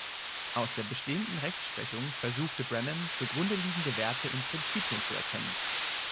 Aus der bestehenden Rechtsprechung versuchte Brennan, zugrunde liegende Werte und Prinzipien zu erkennen.